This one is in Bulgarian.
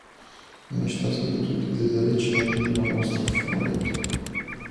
И нещастникът отиде далече на един голям остров в морето.